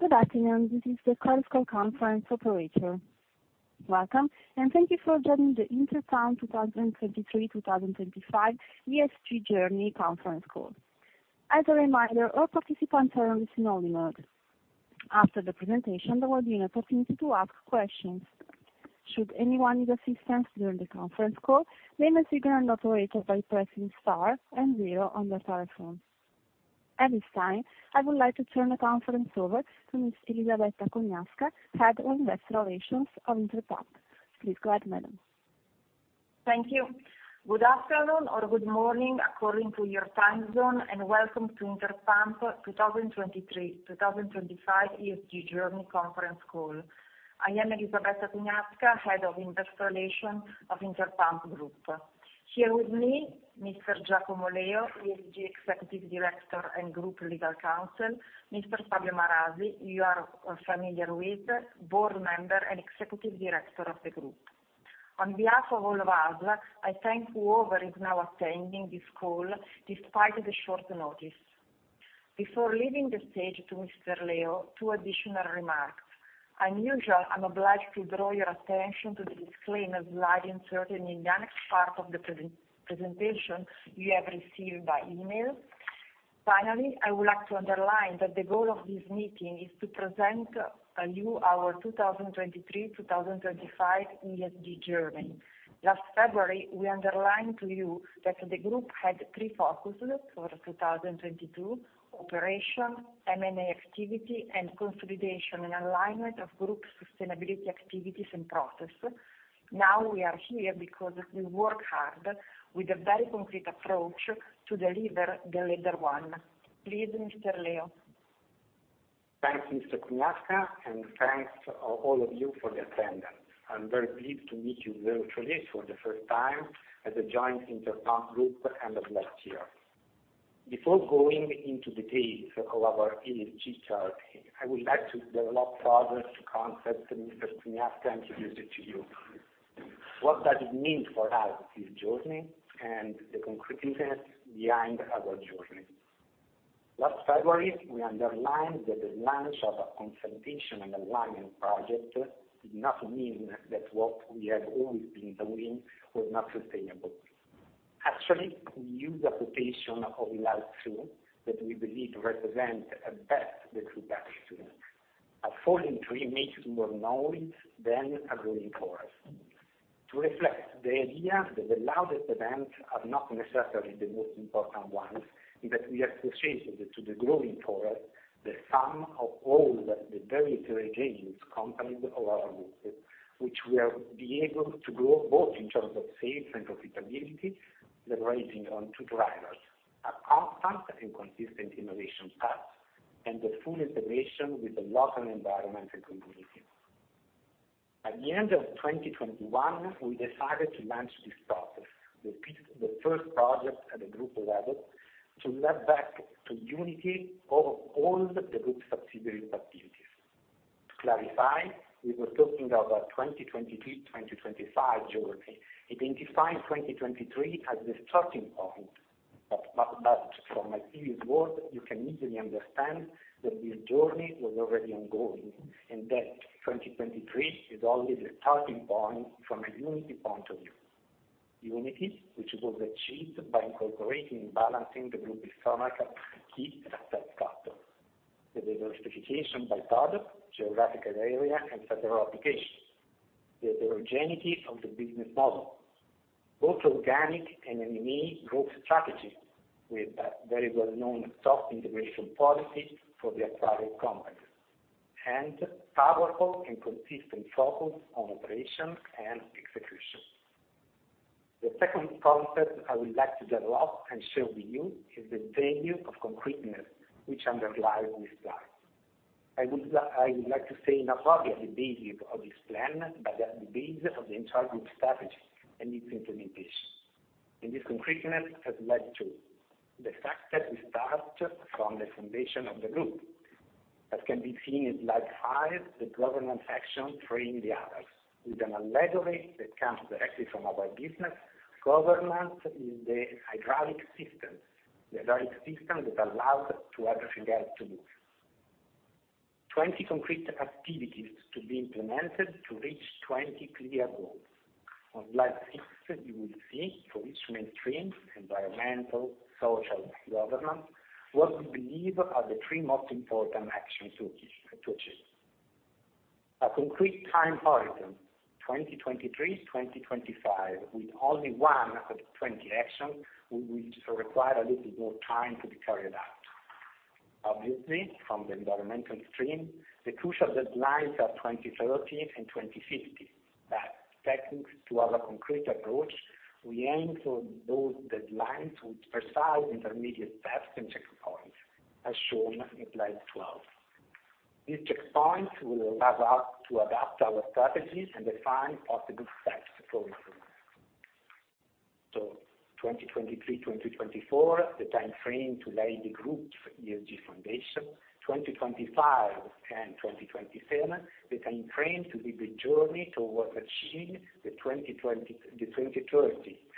Good afternoon. This is the conference call conference operator. Welcome, and thank you for joining the Interpump 2023-2025 ESG journey conference call. As a reminder, all participants are on listen-only mode. After the presentation, there will be an opportunity to ask questions. Should anyone need assistance during the conference call, they may signal an operator by pressing star and zero on their telephone. At this time, I would like to turn the conference over to Miss Elisabetta Cugnasca, Head of Investor Relations of Interpump. Please go ahead, madam. Thank you. Good afternoon or good morning according to your time zone, and welcome to Interpump 2023-2025 ESG Journey conference call. I am Elisabetta Cugnasca, Head of Investor Relations of Interpump Group. Here with me, Mr. Giacomo Leo, ESG Executive Director and Group Legal Counsel. Mr. Fabio Marasi, you are familiar with, Board Member and Executive Director of the Group. On behalf of all of us, I thank whoever is now attending this call despite the short notice. Before leaving the stage to Mr. Leo, two additional remarks. Usually, I'm obliged to draw your attention to the disclaimer slide inserted in the next part of the presentation you have received by email. Finally, I would like to underline that the goal of this meeting is to present you our 2023-2025 ESG Journey. Last February, we underlined to you that the group had three focuses for 2022, operation, M&A activity, and consolidation and alignment of group sustainability activities and process. Now, we are here because we work hard with a very concrete approach to deliver the latter one. Please, Mr. Leo. Thanks, Miss Cugnasca, and thanks all of you for the attendance. I'm very pleased to meet you virtually for the first time as a joint Interpump Group end of last year. Before going into the detail of our ESG chart, I would like to develop further two concepts that Mr. Cugnasca introduced to you. What does it mean for us, this journey and the concreteness behind our journey? Last February, we underlined that the launch of a consolidation and alignment project did not mean that what we have always been doing was not sustainable. Actually, we use a quotation of Lao Tzu that we believe represent a bet the group has to make. A falling tree makes more noise than a growing forest." To reflect the idea that the loudest events are not necessarily the most important ones, that is we associated to the growing forest the sum of all the very great gains companies of our group, which will be able to grow both in terms of sales and profitability, leveraging on two drivers. A constant and consistent innovation path, and the full integration with the local environment and community. At the end of 2021, we decided to launch this process, the first project at the group level, to lead back to unity of all the group subsidiaries' activities. To clarify, we were talking of a 2023 to 2025 journey, identifying 2023 as the starting point. From my previous words, you can easily understand that this journey was already ongoing, and that 2023 is only the starting point from a unity point of view. Unity, which was achieved by incorporating and balancing the group's historical key success factors. The diversification by product, geographical area, and final application. The heterogeneity of the business model, both organic and M&A growth strategies, with a very well-known soft integration policy for the acquired companies, and powerful and consistent focus on operations and execution. The second concept I would like to develop and share with you is the value of concreteness, which underlie this plan. I would like to say not only the basis of this plan, but the base of the entire group strategy and its implementation. This concreteness has led to the fact that we start from the foundation of the group. As can be seen in slide 5, the governance action framing the others. With an allegory that comes directly from our business, governance is the hydraulic system that allows to everything else to move. 20 concrete activities to be implemented to reach 20 clear goals. On slide 6, you will see for each mainstream, environmental, social, governance, what we believe are the three most important actions to achieve. A concrete time horizon, 2023 to 2025, with only one of the 20 actions which will require a little more time to be carried out. Obviously, from the environmental stream, the crucial deadlines are 2030 and 2050. Thanks to our concrete approach, we aim for those deadlines with precise intermediate steps and checkpoints, as shown in slide 12. These checkpoints will allow us to adapt our strategies and define possible steps going forward. 2023-2024, the time frame to lay the group's ESG foundation. 2025 and 2027, the time frame to lead the journey towards achieving the 2030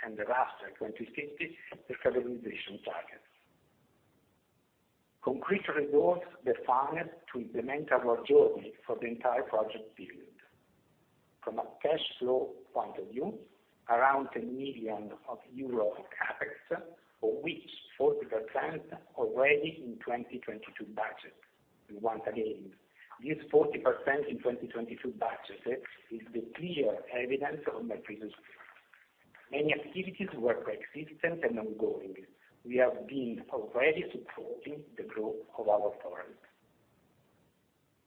and the latter, 2050 decarbonization target. Concrete results defined to implement our journey for the entire project period. From a cash flow point of view, around 10 million euro of CapEx, of which 40% already in 2022 budget. Once again, this 40% in 2022 budget is the clear evidence of my previous point. Many activities were preexisting and ongoing. We have been already supporting the growth of our footprint.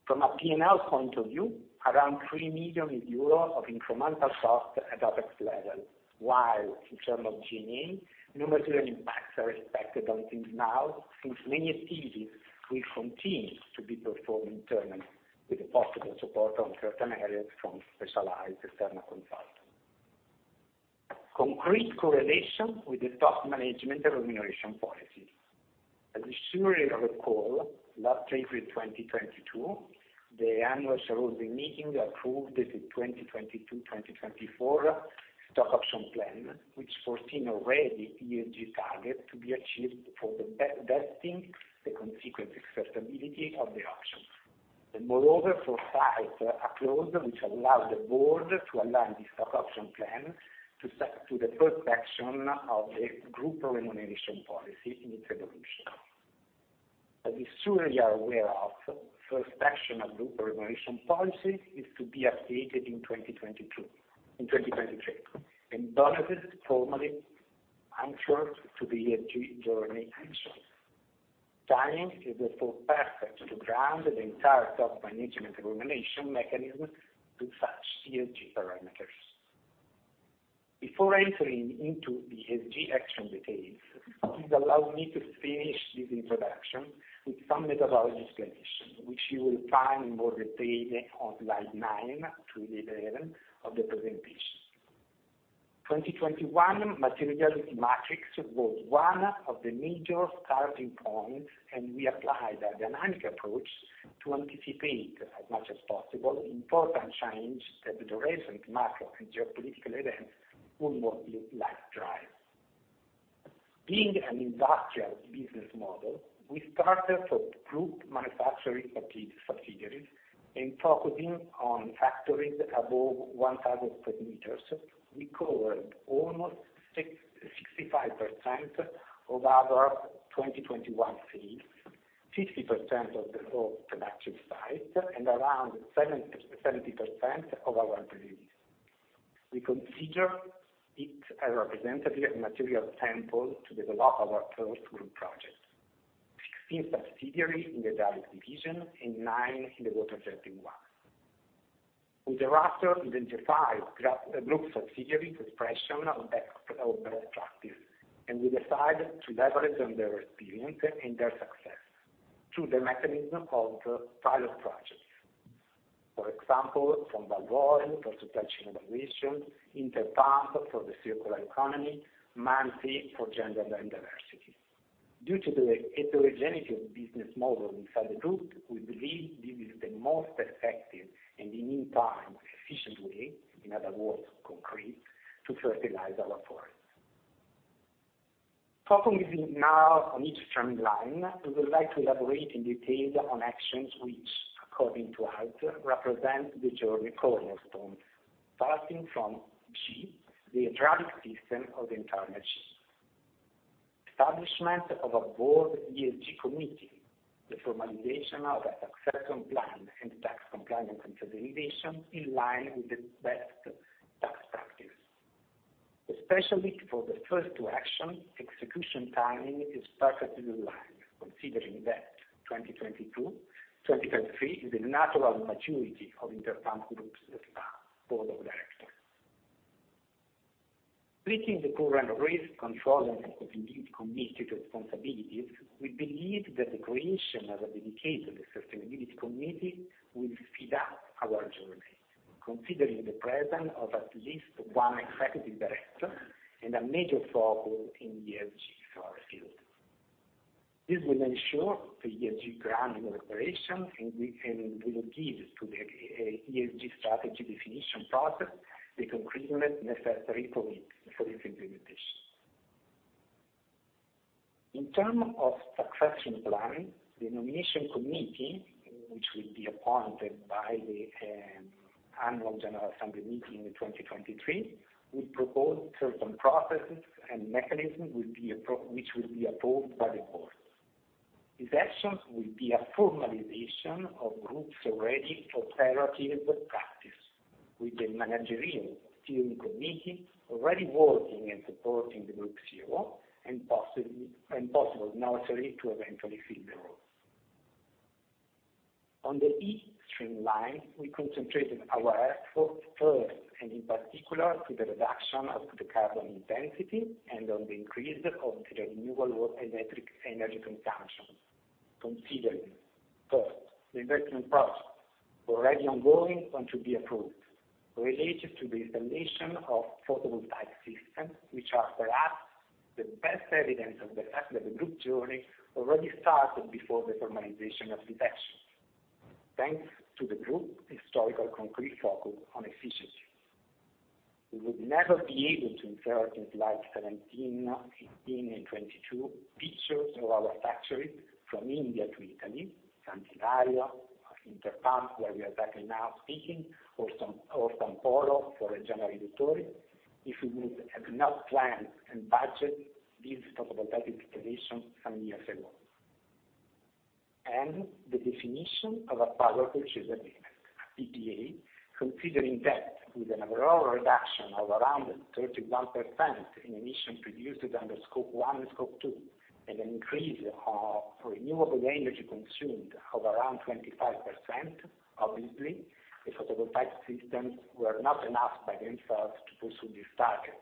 From a P&L point of view, around 3 million euros of incremental cost at OpEx level, while in terms of G&A, no material impacts are expected on P&L, since many activities will continue to be performed internally, with the possible support on certain areas from specialized external consultants. Concrete correlation with the top management remuneration policy. As the summary of the call, last April 2022, the annual shareholders meeting approved the 2022-2024 stock option plan, which foresees already ESG target to be achieved for the vesting, the consequent acceptability of the options. Moreover, besides a clause which allows the board to align the stock option plan to the first section of the group remuneration policy in its evolution. As you surely are aware of, first section of group remuneration policy is to be updated in 2022. In 2023, and benefits formally anchored to the ESG journey actions. Timing is therefore perfect to ground the entire top management remuneration mechanism to such ESG parameters. Before entering into the ESG action details, please allow me to finish this introduction with some methodology explanations, which you will find in more detail on slide nine through 11 of the presentation. 2021 materiality matrix was one of the major starting points, and we applied a dynamic approach to anticipate as much as possible important changes that the recent macro and geopolitical events would most likely drive. Being an industrial business model, we started from group manufacturing subsidiaries, and focusing on factories above 1,000 square meters, we covered almost 65% of our 2021 sales, 50% of the whole production sites, and around 70% of our employees. We consider it a representative material sample to develop our first group project. 16 subsidiaries in the Valves division and nine in the Water Jetting one. With the roster, identified group subsidiaries expression of best practice, we decide to leverage on their experience and their success through the mechanism of pilot projects. For example, from Walvoil for supply chain evaluation, Interpump for the circular economy, Muncie for gender and diversity. Due to the heterogeneity of business model inside the group, we believe this is the most effective and in the meantime, efficient way, in other words, concrete, to fertilize our forest. Focusing now on each streamline, we would like to elaborate in detail on actions which, according to us, represent the journey cornerstones, starting from G, the governance system of the entire machine. Establishment of a board ESG committee, the formalization of a succession plan and tax compliance consolidation in line with the best tax practice. Especially for the first two actions, execution timing is perfectly aligned, considering that 2022, 2023 is the natural maturity of Interpump Group's board of directors. Splitting the current risk control and sustainability committee responsibilities, we believe that the creation of a dedicated sustainability committee will speed up our journey, considering the presence of at least one executive director and a major focus in ESG for our field. This will ensure the ESG grounding operation and will give to the ESG strategy definition process the concrete method necessary for it, for its implementation. In terms of succession planning, the nomination committee, which will be appointed by the annual general assembly meeting in 2023, will propose certain processes and mechanisms which will be approved by the board. These actions will be a formalization of groups already operative practice, with the managerial steering committee already working and supporting the group CEO, and possible nursery to eventually fit the role. On the ESG streamline, we concentrated our effort first and in particular to the reduction of the carbon intensity and on the increase of the renewable electric energy consumption. Considering, first, the investment projects already ongoing and to be approved, related to the installation of photovoltaic systems, which are perhaps the best evidence of the fact that the group journey already started before the formalization of these actions, thanks to the group historical concrete focus on efficiency. We would never be able to insert in slides 17, 15, and 22 pictures of our factories from India to Italy, Sant'Elpidio a Mare, Interpump, where we are talking now, or San Polo for Reggiana Riduttori, if we would have not planned and budget these photovoltaic installations some years ago. The definition of a power purchase agreement, PPA, considering that with an overall reduction of around 31% in emissions produced under Scope 1 and Scope 2, and an increase of renewable energy consumed of around 25%, obviously, the photovoltaic systems were not enough by themselves to pursue this target.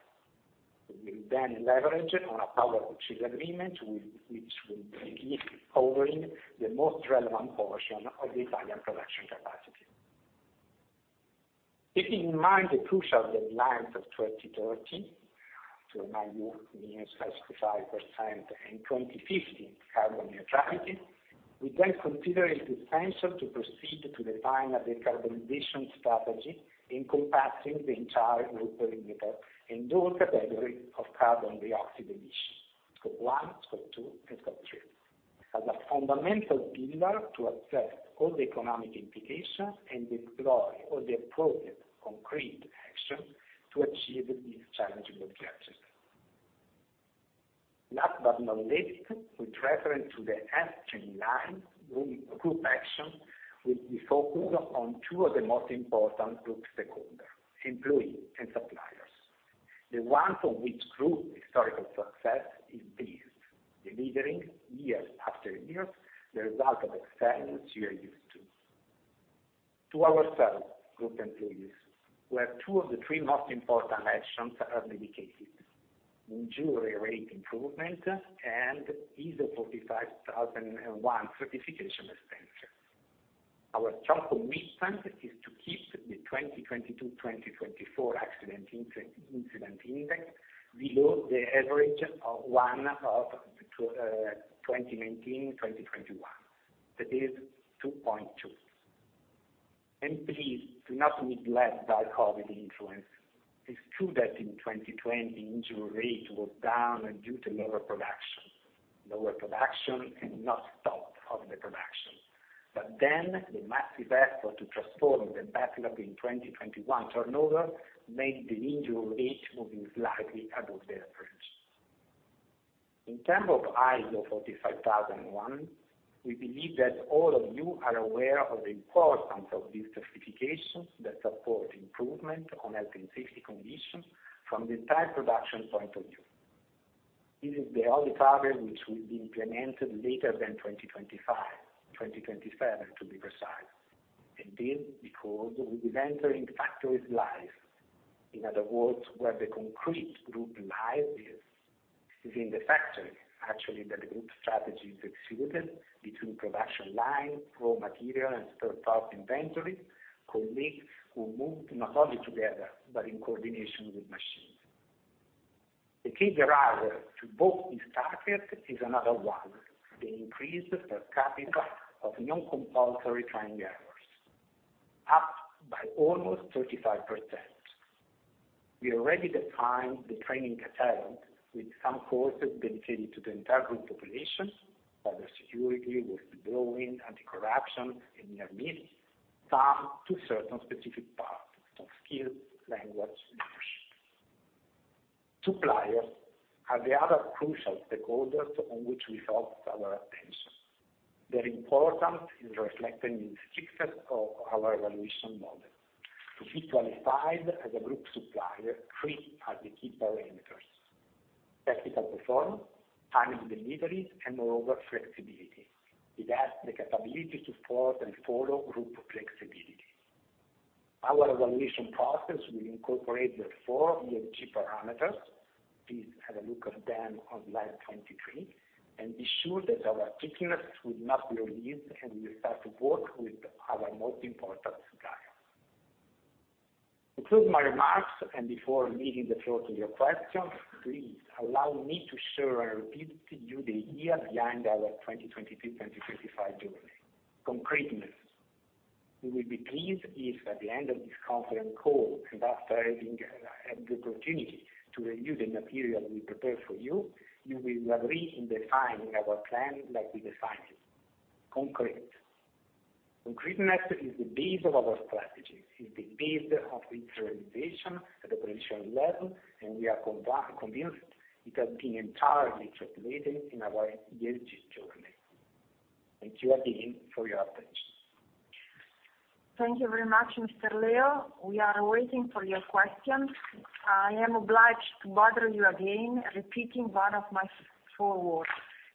We will then leverage on a power purchase agreement, which will be covering the most relevant portion of the Italian production capacity. Keeping in mind the crucial deadlines of 2030, to remind you, means 65%, and 2050 carbon neutrality, we then consider it essential to proceed to define a decarbonization strategy encompassing the entire group perimeter, and all category of carbon dioxide emissions, Scope 1, Scope 2, and Scope 3, as a fundamental pillar to assess all the economic implications and deploy all the appropriate concrete actions to achieve these challenging objectives. Last but not least, with reference to the H&S line, group action will be focused on two of the most important group stakeholders, employees and suppliers. The ones on which group historical success is built, delivering year after year the result of excellence you are used to. To our group employees, we have two of the three most important actions dedicated to injury rate improvement and ISO 45001 certification extension. Our short- to mid-term is to keep the 2022/2024 accident incident index below the average of 2019/2021. That is 2.2. The average does not need to be adjusted for COVID influence. It's true that in 2020, injury rate was down due to lower production. Lower production and not stoppage of the production. The massive effort to transform the backlog in 2021 turnover made the injury rate moving slightly above the average. In terms of ISO 45001, we believe that all of you are aware of the importance of these certifications that support improvement on health and safety conditions from the entire production point of view. It is the only target which will be implemented later than 2025, 2027, to be precise. This, because we will be entering factory life. In other words, where the concrete Group life is. Within the factory, actually, that the Group strategy is executed between production lines, raw material, and third-party inventory, colleagues who move not only together, but in coordination with machines. The key driver to both these targets is another one, the increase per capita of non-compulsory training hours, up by almost 35%. We already defined the training catalog with some courses dedicated to the entire Group population, cyber security, whistleblowing, anti-corruption, and near miss, some to certain specific parts, soft skills, language, leadership. Suppliers are the other crucial stakeholders on which we focus our attention. Their importance is reflected in the focus of our evaluation model. To be qualified as a group supplier, three are the key parameters: technical performance, timely deliveries, and moreover, flexibility. It has the capability to support and follow group flexibility. Our evaluation process will incorporate the four ESG parameters. Please have a look at them on slide 23, and be sure that our stickiness will not be relieved, and we start to work with our most important suppliers. To conclude my remarks, and before leaving the floor to your questions, please allow me to share and repeat to you the word behind our 2022/2025 journey, concreteness. We will be pleased if at the end of this conference call, and after having had the opportunity to review the material we prepared for you will agree in defining our plan like we defined it, concrete. Concreteness is the base of our strategy, is the base of its realization at operational level, and we are convinced it has been entirely translated in our ESG journey. Thank you again for your attention. Thank you very much, Mr. Leo. We are waiting for your questions. I am obliged to bother you again, repeating one of my forewords.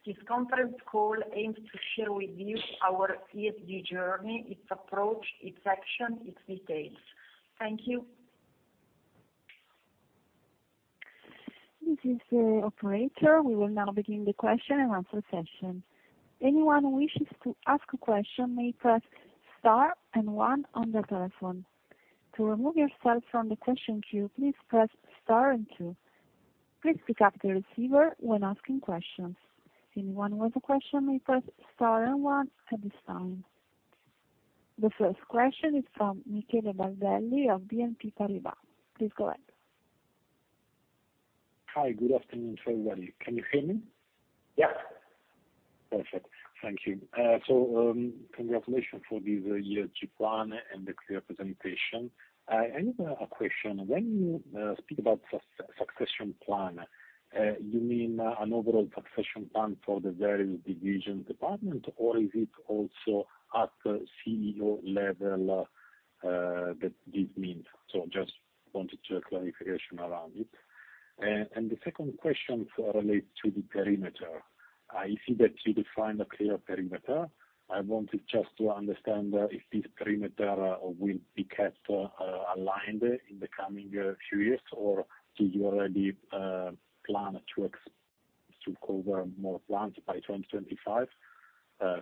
This conference call aims to share with you our ESG journey, its approach, its action, its details. Thank you. This is the operator. We will now begin the question and answer session. Anyone who wishes to ask a question may press star and one on their telephone. To remove yourself from the question queue, please press star and two. Please pick up the receiver when asking questions. Anyone with a question may press star and one at this time. The first question is from Michele Baldelli of BNP Paribas. Please go ahead. Hi, good afternoon to everybody. Can you hear me? Yeah. Perfect. Thank you. Congratulations for this year's G plan and the clear presentation. I have a question. When you speak about succession plan, you mean an overall succession plan for the various division department, or is it also at the CEO level that this means? I just wanted a clarification around it. The second question relates to the perimeter. I see that you defined a clear perimeter. I wanted just to understand if this perimeter will be kept aligned in the coming few years, or do you already plan to cover more plants by 2025?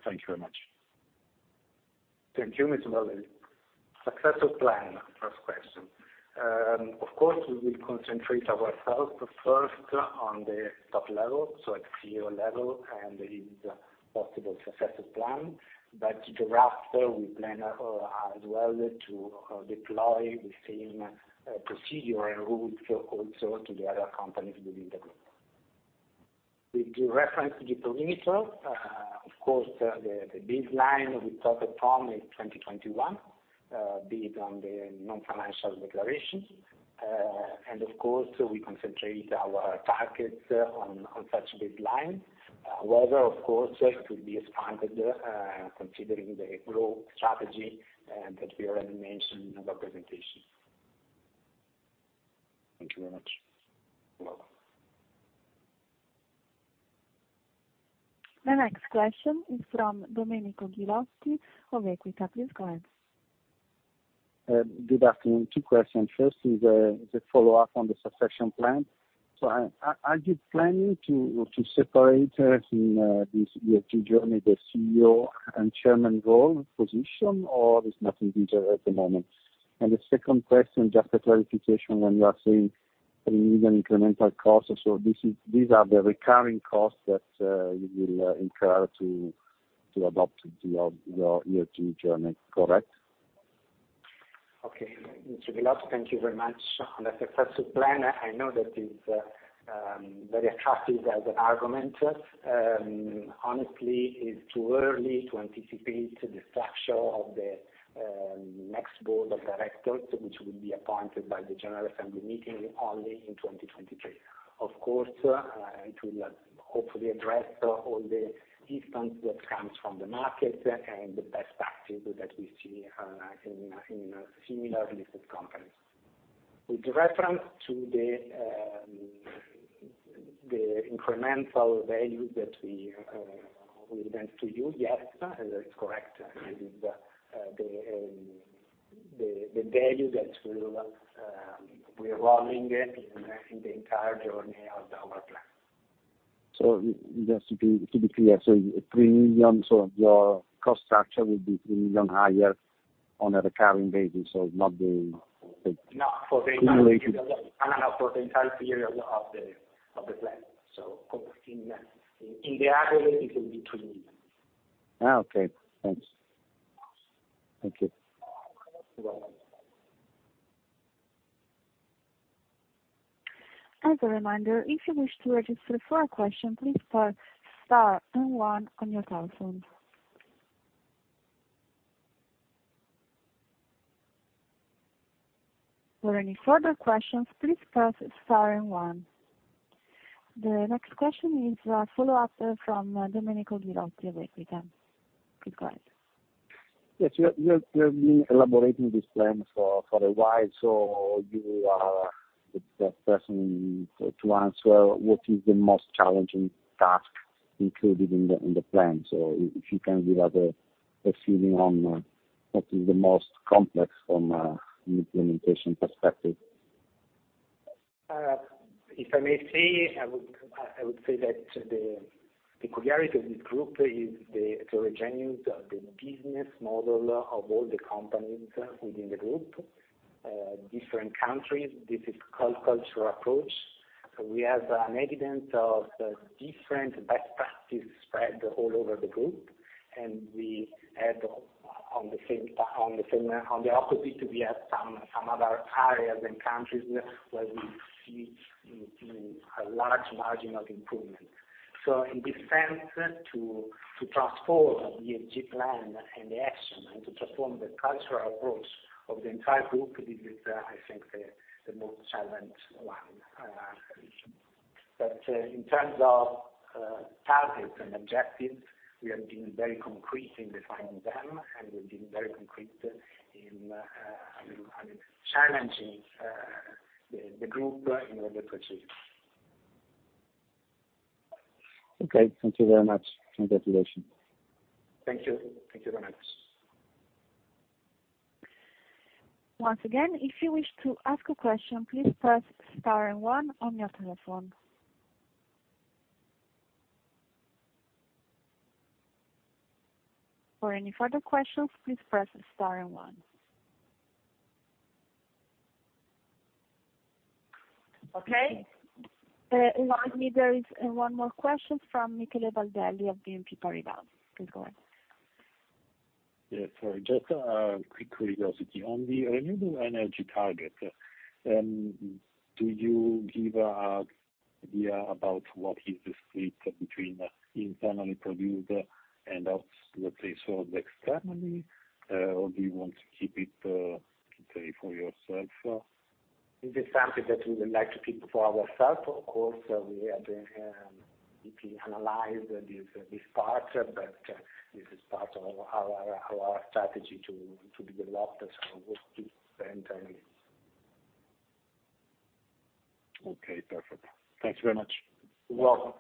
Thank you very much. Thank you, Mr. Baldelli. Successor plan, first question. Of course, we will concentrate ourselves first on the top level, so at CEO level, and his possible successor plan. Thereafter, we plan as well to deploy the same procedure and rules also to the other companies within the group. With reference to the perimeter, of course, the baseline we started from is 2021, be it on the non-financial declarations. Of course, we concentrate our targets on such baseline. Whether, of course, it will be expanded, considering the growth strategy that we already mentioned in our presentation. Thank you very much. You're welcome. The next question is from Domenico Ghilotti of Equita. Please go ahead. Good afternoon. Two questions. First is a follow-up on the succession plan. Are you planning to separate in this ESG journey the CEO and chairman role position, or there's nothing visible at the moment? The second question, just a clarification. When you are saying EUR 3 million incremental costs, so this is these are the recurring costs that you will incur to adopt your ESG journey. Correct? Okay. Mr. Ghilotti, thank you very much. On the successor plan, I know that it's very attractive as an argument. Honestly, it's too early to anticipate the structure of the next board of directors, which will be appointed by the general assembly meeting only in 2023. Of course, it will hopefully address all the instance that comes from the market and the best practice that we see in similar listed companies. With reference to the incremental value that we advanced to you, yes, that is correct. It is the value that we're rolling it in the entire journey of our plan. Just to be clear, 3 million. Your cost structure will be 3 million higher on a recurring basis, or not the- No, for the entire period of the plan. Of course, in the aggregate, it will be EUR 3 million. Okay. Thanks. Thank you. You're welcome. As a reminder, if you wish to register for a question, please star star and one on your telephone. For any further questions, please press star and one. The next question is a follow-up from Domenico Ghilotti of Equita. Please go ahead. Yes. You have been elaborating this plan for a while, so you are the best person to answer what is the most challenging task included in the plan. If you can give us a feeling on what is the most complex from an implementation perspective? If I may say, I would say that the peculiarity of this group is the heterogeneous business model of all the companies within the group. Different countries. This is cross-cultural approach. We have an evidence of different best practices spread all over the group, and on the opposite, we have some other areas and countries where we see a large margin of improvement. In this sense, to transform the ESG plan and the action and to transform the cultural approach of the entire group, this is, I think the most challenging one, for sure. In terms of targets and objectives, we have been very concrete in defining them, and we've been very concrete in challenging the group in order to achieve. Okay. Thank you very much. Congratulations. Thank you. Thank you very much. Once again, if you wish to ask a question, please press star and one on your telephone. For any further questions, please press star and one. Okay. Pardon me. There is one more question from Michele Baldelli of BNP Paribas. Please go ahead. Yes, sorry. Just a quick curiosity. On the renewable energy target, do you give an idea about what is the split between internally produced and, let's say, externally? Or do you want to keep it, say, for yourself? This is something that we would like to keep for ourselves. Of course, we can analyze this part, but this is part of our strategy to be developed. We'll keep silent on it. Okay, perfect. Thanks very much. You're welcome.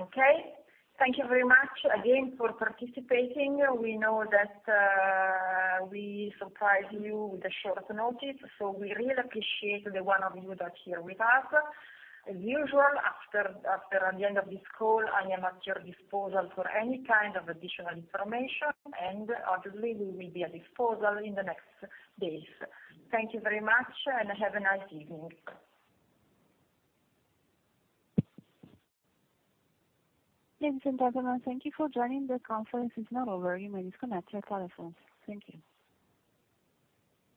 Okay. Thank you very much again for participating. We know that, we surprised you with a short notice, so we really appreciate the one of you that's here with us. As usual, after, at the end of this call, I am at your disposal for any kind of additional information, and obviously we will be at disposal in the next days. Thank you very much, and have a nice evening. Ladies and gentlemen, thank you for joining. The conference is now over. You may disconnect your telephones. Thank you.